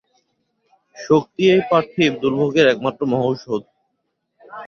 শক্তি এই পার্থিব দুর্ভোগের একমাত্র মহৌষধ।